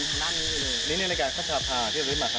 อีอร์มที่เป็นลายใหญ่แหบบไถม์บุญเพื่อทางนั้น